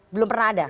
belum pernah ada